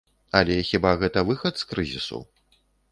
Але хіба гэта выхад з крызісу?